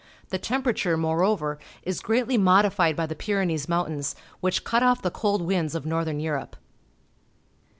The temperature, moreover, is greatly modified by the Pyrenees Mountains, which cut off the cold winds of northern Europe.